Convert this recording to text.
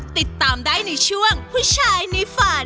ติดตามได้ในช่วงผู้ชายในฝัน